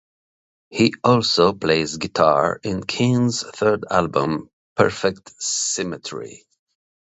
He also plays guitar in Keane's third album, "Perfect Symmetry".